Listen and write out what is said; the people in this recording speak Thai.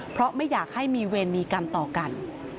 เพราะไม่อยากให้มีเวรมีกรรมต่อกัน